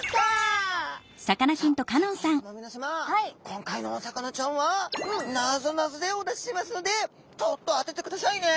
今回のお魚ちゃんはなぞなぞでお出ししますのでちょっと当ててくださいね。